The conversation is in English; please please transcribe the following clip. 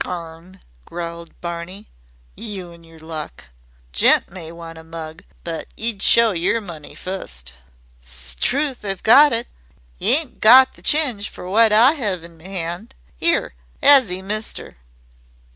"Garn," growled Barney. "You an' yer luck! Gent may want a mug, but y'd show yer money fust." "Strewth! I've got it. Y' aint got the chinge fer wot I 'ave in me 'and 'ere. 'As 'e, mister?"